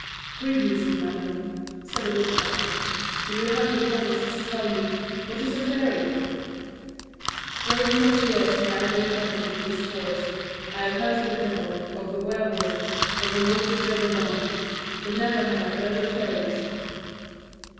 "Previously, madam," said the woodcutter, "will you have the goodness to tell me, what is a fairy? During thirty years that I have inhabited this forest, I have heard of the devil, of the Were wolf, of the monster of Gévaudan, but never have I heard of fairies."